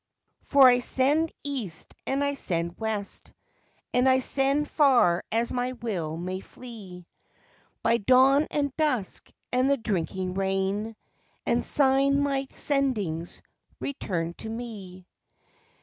"For I send east and I send west, And I send far as my will may flee, By dawn and dusk and the drinking rain, And syne my Sendings return to me.